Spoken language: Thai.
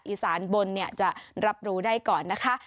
อีสานบนจะรับรู้ได้ก่อนนะคะ